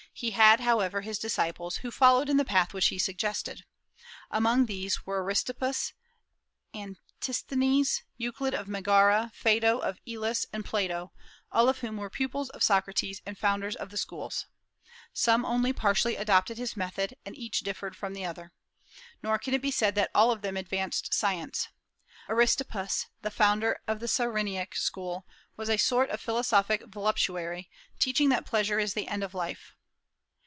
He had however his disciples, who followed in the path which he suggested. Among these were Aristippus, Antisthenes, Euclid of Megara, Phaedo of Elis, and Plato, all of whom were pupils of Socrates and founders of schools. Some only partially adopted his method, and each differed from the other. Nor can it be said that all of them advanced science. Aristippus, the founder of the Cyreniac school, was a sort of philosophic voluptuary, teaching that pleasure is the end of life.